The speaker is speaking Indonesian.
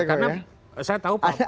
karena saya tahu pak